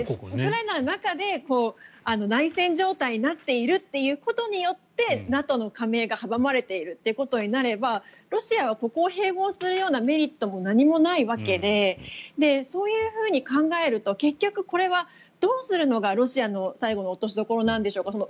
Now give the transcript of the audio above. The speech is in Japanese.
ウクライナの中で内戦状態になっているということによってＮＡＴＯの加盟が阻まれているということになればロシアはここを併合するようなメリットも何もないわけでそういうふうに考えると結局これはどうするのがロシアの最後の落としどころなんでしょうか。